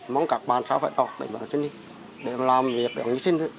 mong các bạn sao phải tỏ tỉnh vào sinh đi để làm việc để người sinh đi